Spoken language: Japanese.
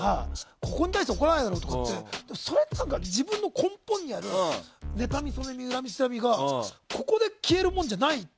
ここに対して怒らないだろうとかってそれって自分の根本にある妬み、嫉み、恨み、つらみがここで消えるものじゃない。